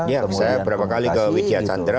ya saya berapa kali ke widya chandra